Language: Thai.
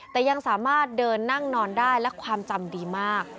แต่ยังสามารถเดินนั่งนอนได้และความจำดีมาก